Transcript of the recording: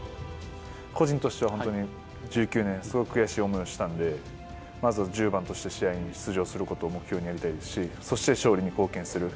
個人としては本当に１９年、すごく悔しい思いをしたんで、まず１０番として試合に出場することを目標にやりたいですし、そして勝利に貢献する。